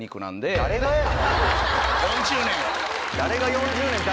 ４０年。